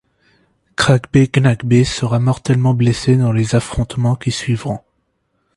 Kragbé Gnagbé sera mortellement blessé dans les affrontements qui suivront.